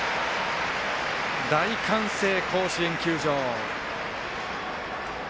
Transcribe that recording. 大歓声、甲子園球場。